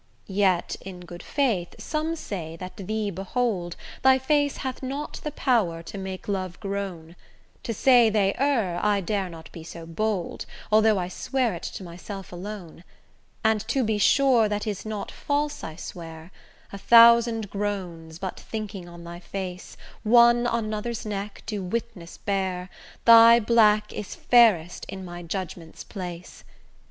Yet, in good faith, some say that thee behold, Thy face hath not the power to make love groan; To say they err I dare not be so bold, Although I swear it to myself alone. And to be sure that is not false I swear, A thousand groans, but thinking on thy face, One on another's neck, do witness bear Thy black is fairest in my judgment's place.